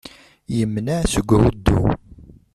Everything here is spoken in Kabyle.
Yemneɛ seg uhuddu.